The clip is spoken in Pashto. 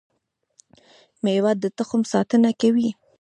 مېوه د تخم ساتنه کوي